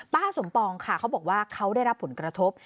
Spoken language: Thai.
ป้าสมปองค่ะเขาบอกว่าเขาได้รับผลกระทบ